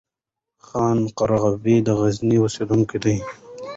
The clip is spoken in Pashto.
خان قرباغی د غزني اوسيدونکی وو